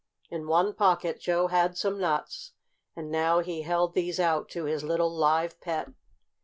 In one pocket Joe had some nuts, and now he held these out to his little live pet.